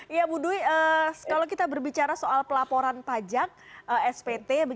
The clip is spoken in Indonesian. ya ibu dwi kalau kita berbicara soal pelaporan pajak svt